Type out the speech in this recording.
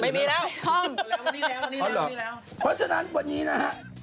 ไม่มีแล้ววันนี้แล้ว